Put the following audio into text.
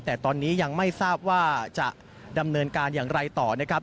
แต่ตอนนี้ยังไม่ทราบว่าจะดำเนินการอย่างไรต่อนะครับ